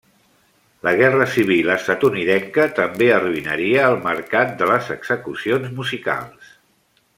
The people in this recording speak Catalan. La Guerra Civil estatunidenca també arruïnaria el mercat de les execucions musicals.